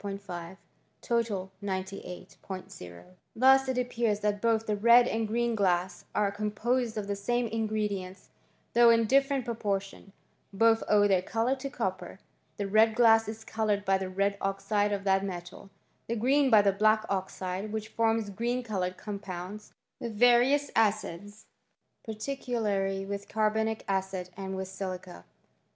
5*5 98 Ot Thus it appears that both the red and green glass are composed of the same ingredients, though in different proportions. Both owe their colour to copper. The red glass is coloured by the red oxide of that metal ; the green by the black oxide, which forms green coloured compounds, with various acids, particularly with carbonic acid and with silica.